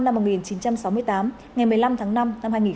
ngày một mươi năm tháng năm năm hai nghìn hai mươi ba